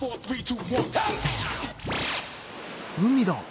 海だ。